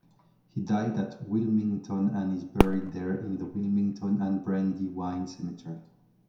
He died at Wilmington and is buried there in the Wilmington and Brandywine Cemetery.